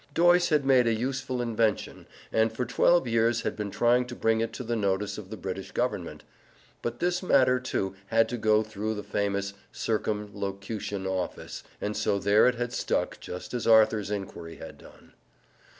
Doyce had made a useful invention and for twelve years had been trying to bring it to the notice of the British Government. But this matter, too, had to go through the famous "Circumlocution Office," and so there it had stuck just as Arthur's inquiry had done.